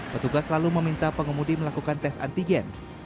petugas lalu meminta pengemudi melakukan tes antigen